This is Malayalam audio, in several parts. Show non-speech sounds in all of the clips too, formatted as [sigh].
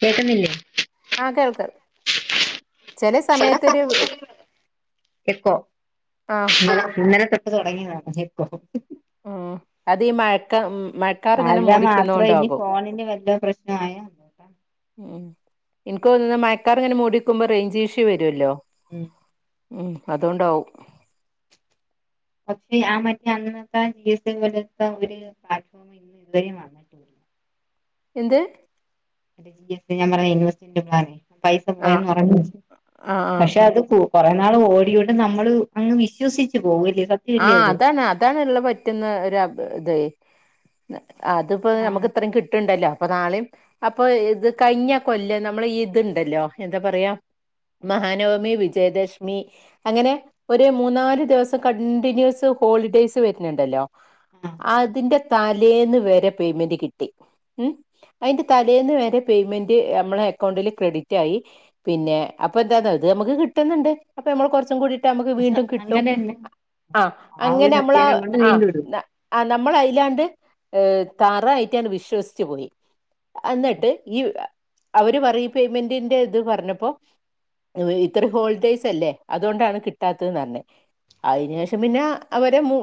കേൾക്കുന്നില്ലേ ആഹ് കേൾക്കാത് ചെലേ സമയത്തൊരു എക്കോ ആ ഇന്ന ഇന്നലെ തൊട്ട് തൊടങ്ങിയതാണ് എക്കോ ഉം അത് ഈ മഴക്കാ മ്മ് മഴ മായന്റെ മാത്രം ഇനി ഫോണിൻ്റെ വല്ല പ്രശ്നം ആയോ ഉം എനിക്ക് തോന്നുന്നു മഴക്കാറ് ഇങ്ങനെ മൂടി നിക്കുമ്പോ റേഞ്ച് ഇഷ്യൂ വരുമല്ലോ ഉം ഉം അതോണ്ടാവും പക്ഷെ ആഹ് മറ്റെ അന്നത്തെ ജീസ പോലത്തെ ഒരു പ്ലാറ്റ്ഫോം ഇന്ന് ഇതുവരെയും വന്നട്ടില്ല എന്ത് എന്റെ ജി എസ് റ്റി ഞാൻ പറഞ്ഞേ ഇൻവെസ്റ്റ്ന്റെ ഭാഗേ പ്പൈസ ആ പോയന്ന് പറഞ്ഞില്ലേ ആ ആ പക്ഷേ അത് പോ കുറേ നാള് ഓടിയോണ്ട് നമ്മള് അങ്ങ് വിശ്വസിച്ച് പോകുവല്ലേ സത്യ ആഹ് അതാണ് അതാണ്ള്ള പറ്റുന്ന ഒരു അത്‌ ഇതെയ് അതിപ്പോ ആഹ് നമുക്ക് ഇത്രയും കിട്ട്ണ്ടല്ലോ അപ്പൊ നാളിം അപ്പൊ ഇത് കഴിഞ്ഞ കൊല്ലം നമ്മള് ഇതുണ്ടല്ലോ എന്താ പറയാ മഹാനവമി വിജയദശമി അങ്ങനെ ഒരു മൂന്നാല് ദിവസൊക്കെ അടുപ്പിച്ച് കണ്ടിന്യൂസ് ഹോളിഡെയ്സ് വരുന്നുണ്ടല്ലോ ആഹ് അതിൻ്റെ താര് തലേന്ന് വരെ പേയ്മെന്റ് കിട്ടി ഉം അതിന്റെ തലേന്ന് വരെ പേയ്മെന്റ് നമ്മളെ അക്കൗണ്ടില് ക്രെഡിറ്റായി പിന്നെ അപ്പൊ എന്താ ഇത് നമ്മക്ക് കിട്ടുന്നുണ്ട് അപ്പൊ നമ്മള് കുറച്ചും കൂടിയിട്ടാ നമ്മുക്ക് പക്ഷെ വീണ്ടും കിട്ടും അങ്ങനെ തന്നെ ആഹ് ആ ഒരു അങ്ങനെ നമ്മള് സത്യാഗ്രഹം കൊണ്ട് ആഹ് വീണ്ടും ഇടും ആ നമ്മലയിലാണ്ട് ഏ തറായിട്ടങ്ങട് വിശ്വസിച്ചു പോയി അന്നിട്ട് ഈ അവര്പറയും പേയ്മെന്റിന്റെ ഇത്പറഞ്ഞപ്പോ ഇത്തറിം ഹോൾഡേയ്സല്ലേ അതോണ്ടാണ് കിട്ടാത്തെന്ന്പർഞ്ഞ്. അയ്നേഷം പിന്നെഅവരെമൂ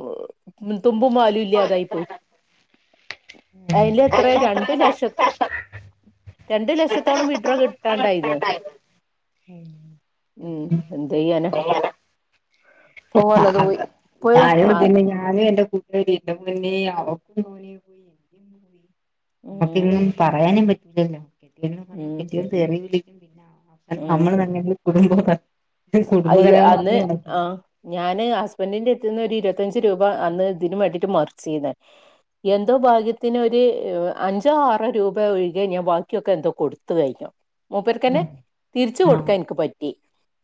തുമ്പും വാലുംല്ലാതായി പോയിഅയ്ലെത്രേ രണ്ട്ലക്ഷ രണ്ട്ലക്ഷത്തോളം വിട്രോകിട്ടാണ്ടായ്ന്നു ഉം ഉം എന്തെയ്യാനാ ഉം ആ അത് പോവാള്ളത്പോയി. ഞാനും അത് തന്നെ ഞാനും എന്റെ കൂട്ട്കാരിയും ന്റെ പൊന്നേ അവക്കും [unintelligible] ഉം അമ്മക്കെങ്ങും പറയാനുംപറ്റില്ലല്ലോ ഉം [unintelligible] തെറി വിളിക്കും പിന്നെ [inaudible] അത് നമ്മൾ തന്നെ കുടുംബ [unintelligible] അയ്ത് കുടുംബകലഹം അന്ന് മാത്രം നടക്കും ആഹ് ഞാന് ഹസ്ബെന്റിന്റെ എട്ത്ത്ന്ന് ഒര് ഇരുപത്തിയഞ്ച് രൂപഅന്ന് ഇതിന് വേണ്ടിട്ട് മർച്ചീന്ന് എന്തോഭാഗ്യത്തിന് ഒര് അഞ്ചോ ആറോ രൂപഒഴികെ ഞാൻ ബാക്കിയൊക്കെ എന്തോകൊടുത്ത്കയ്ഞ്ഞു. മൂപ്പര്ക്കെന്നേ ആഹ് തിര്ച്ച്കൊട്ക്കാൻ ഇൻക്ക്പറ്റി.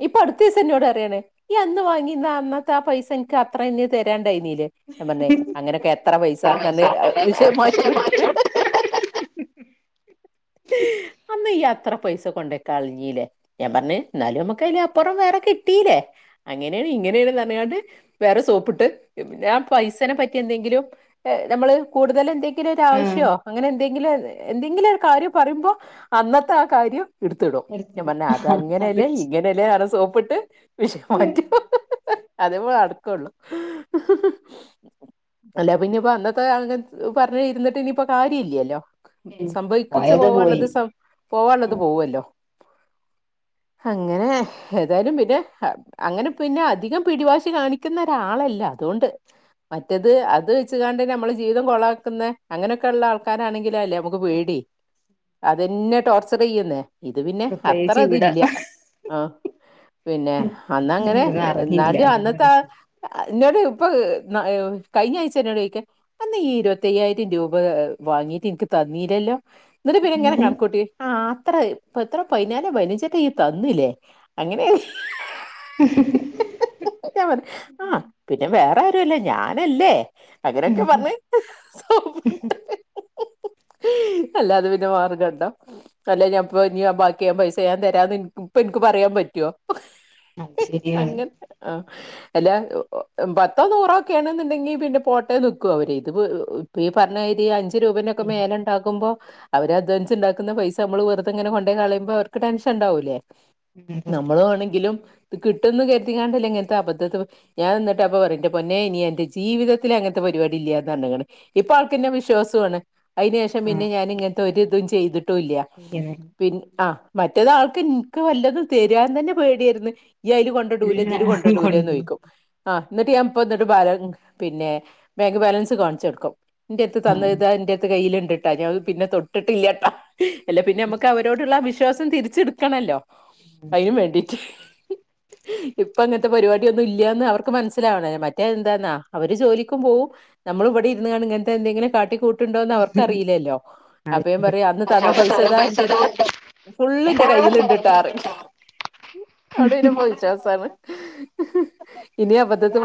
ഇപ്പൊ അട്ത്ത ദിവസം ഇന്നോടറിയാണ് ഇയ്യന്ന് വാങ്ങിയ അന്നത്തെ ആപൈസ എനിക്ക് അത്രനി തെരാന്ണ്ടായിന്നീലേ ഞാൻപർഞ്ഞെ അങ്ങനെയൊക്കെ എത്രപൈസന്നർഞ് വിഷയംമാറ്റിവിട്ട് [inaudible] അന്ന്യ്യ് അത്ര പൈസ കൊണ്ടോയികളഞ്ഞീലെ ഞാൻ പർഞ്ഞ് ഇന്നാലും അമ്മക്കയ്ലാ പൊറം വേറെകിട്ടീലേ? അങ്ങനേണ് ഇങ്ങനേണ്ന്ന് പറഞ്ഞാണ്ട് വേറെസോപ്പിട്ട് ഞാൻ പൈസനെപറ്റി എന്തെങ്കിലും നമ്മള് കൂടുതലെന്തെങ്കി ങ്കിലൊരുആവശ്യോ അങ്ങനെ എന്തെങ്കിലും എന്തെങ്കിലുംഒര് കാര്യം പറയുമ്പോ അന്നത്തെ ആകാര്യം ഇട്ത്ത്ടും ഞാൻ പറഞ്ഞു അത് അതങ്ങനെയല്ല ഇങ്ങനെ ടിലെർഞ്ഞ് സോപ്പ്ട്ട് ശരി. വിഷയമാറ്റും അതേപൊ നടക്കൊള്ളു. അല്ലപിന്നെപ്പോ അന്നത്തെ അങ്ങൻ പർഞ്ഞ് ഇര്ന്ന്ട്ട് ഇനിയിപ്പൊകാര്യല്ലല്ലോ. സംഭവിക്ക്ച്ച് പോയത് പോയി പോവാന്ള്ളത് സം പോവാള്ളത് ഉം. പോവല്ലോ അങ്ങനെ ഏതായാലും പിന്നെ ഹ അങ്ങനെപിന്നെ അധികം പിടിവാശി കാണിക്കുന്ന ഒരാളല്ല അതോണ്ട്. മറ്റെത് അത് വെച്ച്കാണ്ട് നമ്മളെജീവിതം കൊളാക്കുന്ന അങ്ങനെയൊക്കെള്ള ആൾ ക്കാരാണെങ്കിലല്ലേ അമുക്ക്പേടി അതെന്നെ ടോർച്ചറിയ്യ്ന്നെ ഇത്പിന്നെ പ്രത്യേകിച്ച് അത്രത് ഇവിടെ ല്ല്യാ ആഹ് പിന്നെ അന്നങ്ങനെ ഇതൊന്നും അറിഞ്ഞില്ല ഇന്നാലും അതൊന്നും അന്നെത്തെ ആ വിഷമം അഹ് ഇന്നോട് ഇപ്പൊഹ് ന്നകഴിഞ്ഞ ആഴ്ച ഇന്നോട് ചോയ്ക്ക അന്നീഈ ഇരുപത്തയ്യായിരംരൂപ വാങ്ങീട്ട് ഇൻക്ക് തന്നീലല്ലോ? ന്നട്ട പിന്നെ ഇങ്ങനെ കണക്കൂട്ടിആ അത്ര എത്ര പൈയ്നാലോ പയ്നഞ്ചോ ഇയ്യ് തന്നുലെ അങ്ങനെയങ് ഞാൻ പർഞ്ഞു ആഹ് പിന്നെ വേറാരുഅല്ല ഞാനല്ലേ അങ്ങനെയൊക്കെ പറഞ്സോപ്പ്ട്ട് [inaudible] അല്ലാതെ പിന്നെ മാർഗണ്ടോ അല്ല ഞാൻപ്പോ ഇനി ബാക്കിയാ പൈസ ഞാൻതെരാന്ന് ഇൻ ഇൻക്ക്പ്പോ പറയാൻ പറ്റോ അത് റ്റോ ശരിയാണ് അങ്ങൻ ആഹ് അല്ല പത്തോനൂറൊക്കെ ആണെന്ന്ണ്ടെങ്കി പിന്നെ പോട്ടേന്ന് വെക്കും അവര് ഇത്പോ പീ ഈപറഞ്ഞാതിരി അഞ്ച് രൂപന്റൊക്കെ ഉം മേലെഇണ്ടാക്കുമ്പോ അവര് അധ്വാനിവാച്ച് ഇണ്ടാക്കുന്ന പൈസ അമ്മള് വെറുതെഇങ്ങനെ കൊണ്ടോയി കളയുമ്പോ അവർക്ക് ടെൻഷൻ ഇണ്ടാവൂലേ നമ്മൾ വേണങ്കിലും ഇത്കിട്ടുംന്ന് കരുതിക്കാണ്ടല്ലേ ഇങ്ങൻത്തെ അബദ്ധത് ഞാൻ ന്ന്ട്ട് അപ്പപറയും ഇന്റെ പൊന്നേ ഇനി എന്റെ ജീവിതത്തില് അങ്ങൻത്തെ പരിപാടി ഇല്ല്യാന്ന് പറഞ്ക്ക്ണ് ഇപ്പൊ ആൾക്കിന്നെ വിശ്വാസുണ് അയ്ന്ശേഷം പിന്നെഞാൻ ഇങ്ങൻതെ ഒരിതും ചെയ്തിട്ടുല്ല്യാ. പിന്നെ പിന്ന ആ മറ്റേത് ആൾക്ക് എനിക്ക് വല്ലത് തരാൻ തന്നെ പേടിയായിരുന്നു ഈ അതിൽ കൊ ഇടൂലെ എല്ലാ ഇതില് കൊണ്ടടൂലെ കൊണ്ടു നോയ്ക്കും. ആ എന്നിട്ട് ഞാൻ ഇപ്പ എന്നിട്ട് ബാല പിന്നെ ബാങ്ക് ബാലൻസ് കാണിച്ചെടുക്കും. ഇന്റെട്ത്ത് ആ തന്നത് ഇതാ ഇന്റെട്ത്ത് കയ്യി ലിണ്ടിട്ടാ ഞാൻ ഇത് പിന്നെ തൊട്ടിട്ടില്ലാട്ടാ അല്ല പിന്നെ നമുക്ക് അവരോട് ഉള്ള വിശ്വാസം തിരിച്ചെടുക്കണല്ലോ അതിന് ശരി വേണ്ടിട്ട് ഇപ്പ അങ്ങനത്തെ പരിപാടിയൊന്നും ഇല്ലയന്ന് അവർക്ക് മനസ്സിലാവണേ മറ്റേ എന്താന്നാ അവര് ജോലിക്കും പോവും നമ്മള് ഇവിടെ ഇരുന്ന് ഇങ്ങനത്തെന്തെങ്കിലും കാട്ടിക്കൂട്ട ട്ടുണ്ടോന്ന് അവർക്കറിയില്ലല്ലോ. അപ്പ ഞാൻ പറയാ അന്ന് തന്ന അതൊന്നും പൈസതാ പൈസ ഫുള്ള് ഇന്റെ കൈയിൽ ഇണ്ടിട്ടാ എന്ന് പറയും [unintelligible] വിശ്വാസാണ് ഇനി അബദ്ധത്തിൽ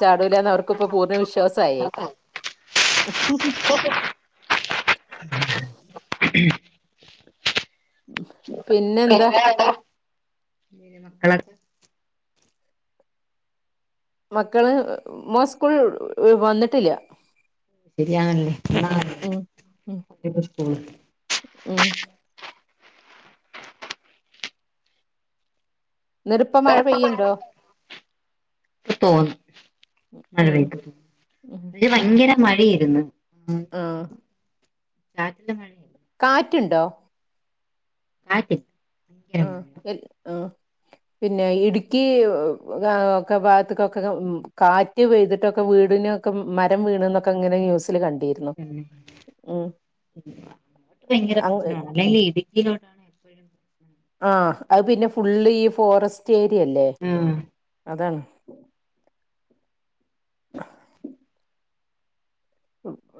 ചാടൂലന്ന് അവർക്ക് ഇപ്പ പൂർണ്ണ വിശ്വാസ ആയെ പിന്നെ എന്താ മക്കളാ മക്കള് മോൻ സ്കൂൾ വന്നിട്ടില്ല ഉം ഉം [unintelligible] ഉം എന്നിട്ടിപ്പ മഴ പെയ്യുണ്ടോ ഇപ്പോ മഴ ഉം പെയ്ത് ഉം ഇന്ന് ഭയങ്കര മഴ ആയിരുന്നു. ഉം ആഹ് ചാറ്റൽ മഴ കാറ്റുണ്ടോ ആ [unintelligible] ആ എ ആ പിന്നെ ഇടുക്കി ഒക്കെ ഭാഗത്തക്കൊക്കെ കാറ്റ് പെയ്തിട്ടൊക്കെ വീടിന് മരം വീണ് എന്നൊക്കെങ്ങന ന്യൂസിൽ കണ്ടിന് ഉം [inaudible] ഭയങ്കര അങ്ങ് പ്രശ്നമാണ് അല്ലെങ്കി ഇടുക്കിയിലോട്ട് ആ അത് പിന്നെ ഫുള്ള് ഈ ഫോറസ്റ്റ് ഏരിയയല്ലേ ഉം അതാണ്.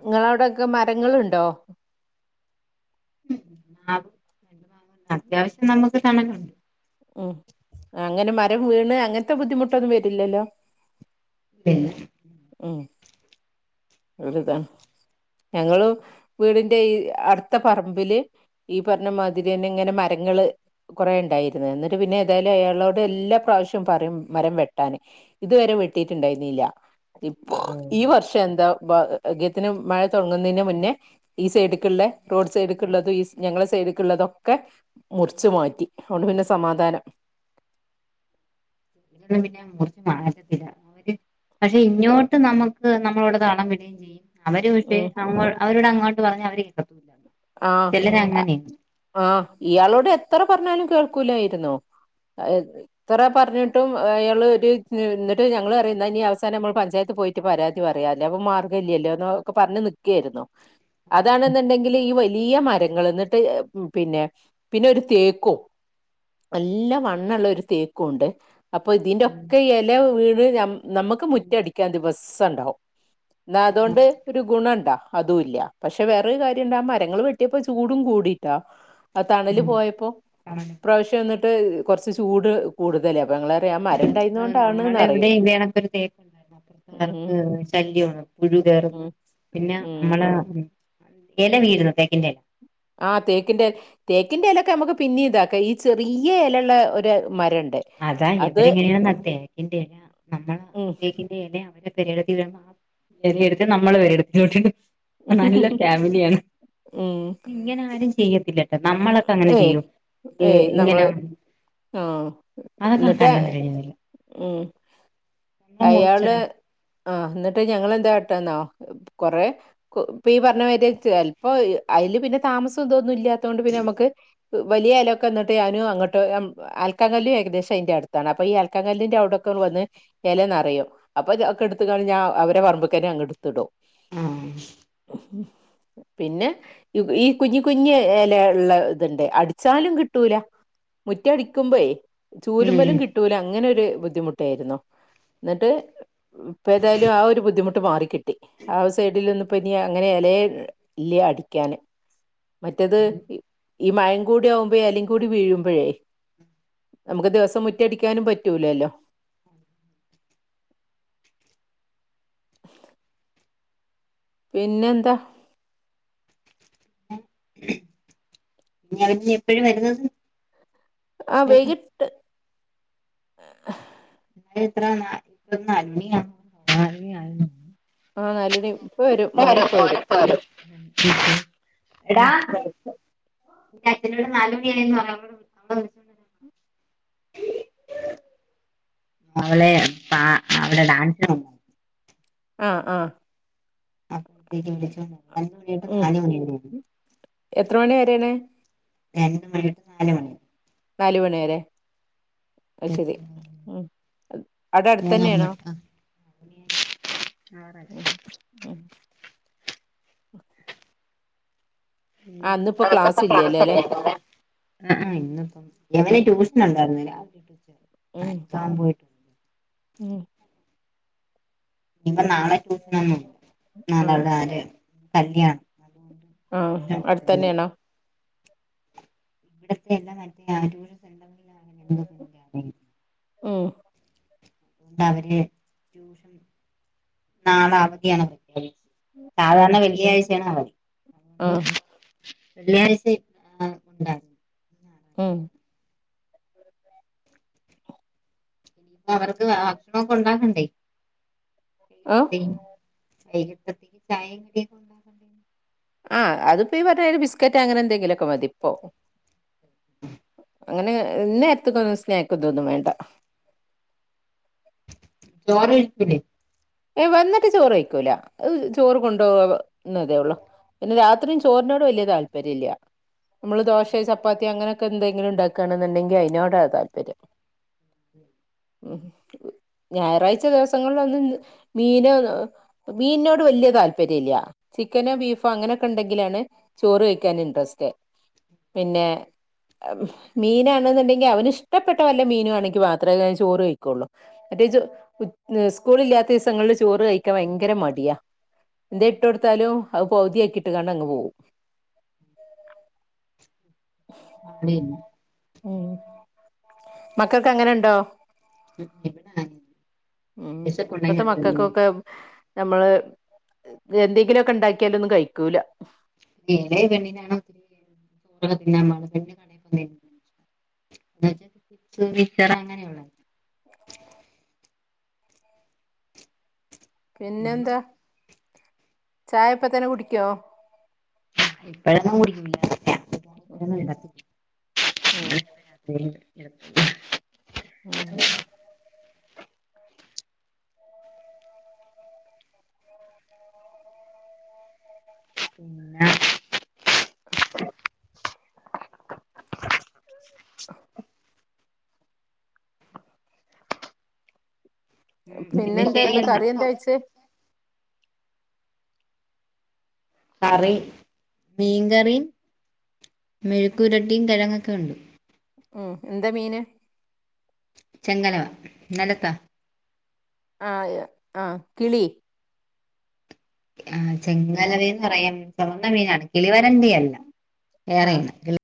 നിങ്ങളവിടെയൊക്കെ മരങ്ങളുണ്ടോ ഉം മാ അത്യാവശ്യം നമുക്ക് തണലുണ്ട് ഉം അങ്ങനെ മരം വീണ് അങ്ങനത്തെ ബുദ്ധിമുട്ടൊന്നും വരില്ലല്ലോ പിന്നെ. ഉമ് വലുതാണ് ഞങ്ങള് വീടിന്റെ ഈ അടുത്ത പറമ്പില്. ഈ പറഞ്ഞ മാതിരി തന്നെ ഇങ്ങനെ മരങ്ങള് കുറെ ഉണ്ടായിരുന്നു എന്നിട്ട് പിന്നെ ഏതായാലും അയാളോട് എല്ലാ പ്രാവശ്യം പറയും മരം വെട്ടാന്. ഇതുവരെ വെട്ടിട്ടുണ്ടായിരുന്നില്ല. ഇപ്പൊ ഉം ഈ വർഷം എന്താ. ഭാഗ്യത്തിന് മഴ തുടങ്ങുന്നതിന് മുന്നേ. ഈ സൈഡിക്കുള്ളെ റോഡ് സൈഡിക്ക ഉള്ളതും ഈ ഞങ്ങളുടെ സൈഡിക്കള്ള തൊക്കെ. മുറിച്ചു മാറ്റി. അതു കൊണ്ട് പിന്നെ സമാധാനം. ഇവിടെ പിന്നെ മുറിച്ച് മാറ്റത്തില്ല. അവര് പക്ഷെ ഇങ്ങോട്ട് നമുക്ക് നമ്മളവിടെ താളം വിടുകയും ചെയ്യും. അവര് പക്ഷേ ഉം അവരോട് അങ്ങോട്ട് പറഞ്ഞ അവര് കേക്കത്തുല്ല. ആഹ് ആഹ് ഇയാളോട് എത്ര പറഞ്ഞാലും കേൾക്കൂലായിരുന്നു. [unintelligible] എത്ര പറഞ്ഞിട്ടും അയാള് ഒരു എന്നിട്ട് ഞങ്ങള് അറിയു ഈ അവസാനം നമ്മള് പഞ്ചായത്ത് പോയി. പരാതി പറയാ അല്ലെ മാർഗ ഇല്ലല്ലോ ഒക്കെ പറഞ്ഞി നിക്കായിരുന്നു അതാന്നെന്നുണ്ടെങ്ക ഈ വല്ല്യ മരങ്ങൾ എന്നിട്ട് പിന്നെ പിന്നെ ഒരു തേക്കും നല്ല മണ്ണള്ള ഒരു തേക്കും ഉണ്ട് അപ്പൊ ഇതിന്റോക്കെ ഇല വീട് നമുക്ക് മുറ്റ ടി ദിവസം ഉണ്ടാവും എന്നാ അതു കൊണ്ട് ഒരു ഗുണംണ്ടാ അതല്ല പക്ഷെ വേറെ രു കാര്യ മരങ്ങൾ വെട്ടിയപ്പോ ചൂടും കൂടിട്ടാ ആ തണൽ പോയപ്പോ ഇ പ്രാവശ്യം ട്ട് ട്ട് കോർച്ച് ചൂട് കൂടുതല പ ഞങ്ങൾ പറയാ ആ മ ആ നമ്മളെവിടെ [unintelligible] തേ ർക്ക് ഉം ശല്യമാണ് പുഴു കയറന്ന് ഉം പിന്നെ ഉം നമ്മള ഇല വീഴരുന്നു തേക്കിന്റെ ആഹ് തേക്കിന്റെ തേക്കിന്റെ ഇലൊക്കെ നമുക്ക് പിന്നെ ഇതാക്കാം ഈ ചെറിയ ഇലയള്ള ഒരു മരംണ്ട് അതാ ഇവരെങ്ങനെയാണ് [unintelligible] ഉം [unintelligible] നല്ല ഫാമിലിയാണ് ഉം ഇങ്ങനെ ആര് ചെ ചെയ്യത്തില്ലട്ടോ നമ്മളൊക്കെ അങ്ങനെ ഏയ് ചെയ്യും ഏയ് ഇങ്ങനെ നമ്മള് ആഹ് അതൊക്കെ എന്നിട്ട് കണ്ണം തിരിഞ്ഞില്ല ഉമ് നമ്മള് മുറിച്ചട അയാള് ആഹ് എന്നിട്ട് ഞങ്ങെന്താട്ടന്നോ കൊറെ ഇപ്പൊ ഈ പറഞ്ഞ മാരി ചൽപ്പോ അയ്ല് പിന്നെ താമസം എന്തോന്നുല്ല തൊണ്ട് പിന്നെ നമുക്ക് വലിയ ഇലൊക്കെ എന്നിട്ട് ഞാനും അങ്ങോട്ടോ ആൽക്കാങ്കല്ല ഏക ദേശം അതിന്റെ അടുത്താണ് അപ്പൊ ഈ ആൽക്കാങ്കല്ലിന്റെ അവിടൊക്കെ വന്ന് എല നിറയോ അപ്പൊ ഇതൊക്കെ എടുത്ത് കഞ്ഞാ അവരെ പറമ്പ്ക്കനെ അങ് എട്ത്ത് ടും ആഹ് ഉമ് പിന്നെ ഈ കുഞ് കുഞ്ഞ് ഇല ഉള്ള ഇതുണ്ട് അടിച്ചാലും കിട്ടൂല റ്റ അടിക്കുമ്പോേ ചൂലുമലും ഇനി കിട്ട ല അങ്ങനെ ഒരു ബുദ്ധിമുട്ടായിരുന്നു എന്നിട്ട് ഇപ്പ ഏതായാലും ആ ഒരു ബുദ്ധിമുട്ട് മാറിക്കിട്ടി ആ സൈഡിൽ ന്ന് ഇപ്പ ഇനി അങ്ങനെ എലെ ഇ ഇല്ല അടിക്കാന് മറ്റത് ഈ മഴം കൂടി ആകുമ്പോഴേ എല കൂടി വീഴുമ്പോഴേ നമുക്ക് ദിവസം മുറ്റടിക്കാനും പറ്റൂല ല്ലോ പിന്നെന്താ അവൻ എപ്പോഴും വരുന്നത് ആഹ് വൈകിട്ട് [unintelligible] ആഹ് അല്ലടി ഇപ്പവരും മോന് ഇപ്പവരും ഉം ട എന്റെ അച്ഛനോട് നാല് മണിയായിരുന്നു അ വന്നണ്ട അവളെ അവടെ ഡാൻസ് [unintelligible] ആഹ് ആഹ് അപ്പഴത്തേക്ക് [inaudible] ഉം നാല് [inaudible] എത്ര മണി വരെയാണ് രണ്ട് മണിതൊട്ട് നാല് മണിവരെ നാല്മണി വരെ അയ്ശെരി ഉം അവടെ മൂന്ന് അടുത്തന്നെയാണോ മണി തൊട്ട് ആറ് ഉം ഉം ഉം ആ ഇന്നിപ്പോ ക്ലാസ് ഇല്ലല്ലോ അല്ലേ [unintelligible] ആഹ് ഇന്നിപ്പം ഇവന് ട്യൂഷനൊണ്ടാരുന്നു [inaudible] ഉം ഉം ഇനിപ്പ നാളെ ട്യൂഷനൊന്നും ഇല്ലാ ആ നാളവടെ ആര് കല്യാണം അതുകൊണ്ട് ആഹ് ട്യൂഷൻ ഇല്ല അടുത്തന്നെയാണോ ഇവടത്തെ [inaudible] ഉം തുകൊണ്ട് അവര് ട്യൂഷൻ നാളെവധിയാണ് [inaudible] ഉം സാധാരണ വെള്ളിയാഴ്ചയാണ് അവധി അതുകൊണ്ട് ആഹ് വെള്ളിയാഴ്ച ആഹ് ഒണ്ടാരുന്നു ഉം പിന്നെ അവർക്ക് ഭക്ഷണൊക്കെ ഒണ്ടാക്കണ്ടേ ആഹ് വൈകിട്ടാതെന് വൈകിട്ടത്തേക്ക് ചായേം കടി [inaudible] ആഹ് അതിപ്പോ ഈ മറ്റേ ബിസ്ക്കറ്റ് അങ്ങനെ എന്തെങ്കിലൊക്കെ മതി ഇപ്പോ അങ്ങനെ ഇന്നേരത്ത്ക്കൊന്നും സ്നേക്ക് ഇതൊന്നും വേണ്ട ചോറ്ക്കഴിക്കൂലേ ഏഹ് വന്ന്ട്ട് ചോറ്യ്ക്കൂല ചോറ് കൊണ്ടുപോവ ന്നതേ ഒള്ളു പിന്നെ രാത്രീം ചോറിനോട് വല്ല്യ താല്പര്യല്ല്യ നമ്മള് ദോശേ ചപ്പാത്തി അങ്ങനൊക്കെ എന്തെങ്കിലും ഇണ്ടാക്കാണെന്നുണ്ടെങ്കി അയിനോടാ താല്പര്യം ഉം ഞായറാഴ്ച ദിവസങ്ങൾലൊന്ന് മീന് മീനോട് വല്ല്യ താല്പര്യല്ല്യ ചിക്കനോ ബീഫോ അങ്ങനൊക്കെ ണ്ടങ്കിലാണ് ചോറ് കഴിക്കാന് ഇൻട്രസ്റ്റ് പിന്നെ ആഹ് മീനാണ്ന്ന്ണ്ടെങ്കി അവന് ഇഷ്ടപ്പെട്ട വല്ല മീനൂ ആണെങ്കി മാത്രേ ചോറ് കയ്ക്കുള്ളു മറ്റേജ് സ്കൂളില്ലാത്ത ദിസങ്ങളില് ചോറ് കയിക്കാ ഭയങ്കര മടിയാ ന്തേ ഇട്ടൊട്ത്താലും അഹ് പൗതി യാക്കിയിട്ട്കാണ്ടങ്ങ് പോവും [unintelligible] ഉം മക്കക്കങ്ങനെണ്ടോ ഉം ഉം ഇവിടെ ആരും ഉം ഇപ്പത്തെ വിശപ്പുണ്ടെങ്കിൽ അത് തിന്നോളും മക്കക്കൊക്കെ നമ്മള് എന്തെങ്കിലുലൊക്കെ ഇണ്ടാക്കിയാലൊന്നും കഴിക്കൂല [inaudible] [inaudible] ഐറ്റം പിന്നെന്താ ചായപ്പതന്നെ കുടിക്ക്യോ ഇപ്പഴന്നും കുടിക്കൂല ഉം ഉം [unintelligible] ഉം പിന്ന ഉം പിന്നെ പിന്നെന്താന്ന് ഇന്ന് ശരിയെന്നാ കറി എന്താ വെച്ചേ കറി മീൻകറീം മെഴുക്കുരട്ടിം കിഴങ്ങൊക്കെ ഒണ്ട് ഉം എന്താ മീന് ചെങ്കലവ ഇന്നലത്ത ആയൊ ആഹ് കിളി ആഹ് ചെങ്കല മീനന്ന് പറയും ചൊമന്ന മീനാണ് കിളിവരണ്ടിയല്ല ആ വേറേണ് കി